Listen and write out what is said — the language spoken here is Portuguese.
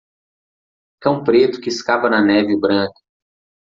Cão preto que escava na neve branca.